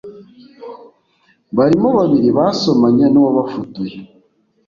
barimo babiri basomanye n’uwabafotoye